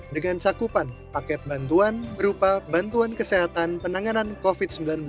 dengan cakupan paket bantuan berupa bantuan kesehatan penanganan covid sembilan belas